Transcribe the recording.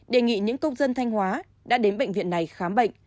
đề nghị những công dân thanh hóa đã đến bệnh viện này khám bệnh